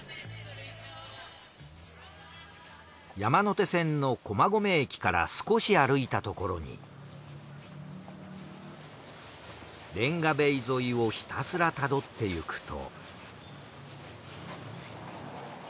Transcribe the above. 山手線の駒込駅から少し歩いたところにレンガ塀沿いをひたすらたどっていくと。